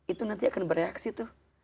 itu nanti akan bereaksi tuh